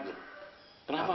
kenapa mas hari